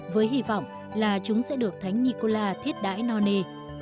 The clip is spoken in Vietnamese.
với hy vọng là chúng sẽ được thánh nikola thiết đãi no nê